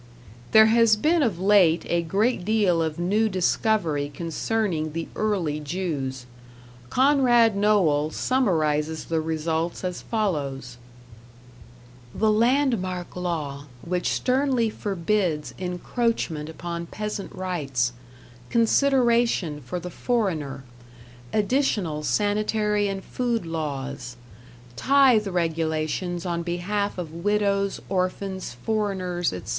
There has been of late a great deal of new discovery concerning the early Jews. Conrad Noel summarizes the results as follows: The land mark law, which sternly forbids encroachment upon peasant rights; consideration for the foreigner; additional sanitary and food laws; tithe regulations on behalf of widows, orphans, foreigners, etc.